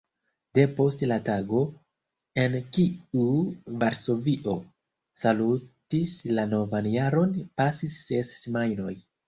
Depost la tago, en kiu Varsovio salutis la novan jaron, pasis ses semajnoj.